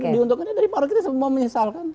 dari awal kita semua menyesalkan